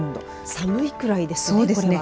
寒いくらいですね。